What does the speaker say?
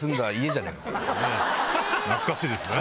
懐かしいですね。